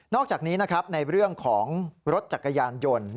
อกจากนี้นะครับในเรื่องของรถจักรยานยนต์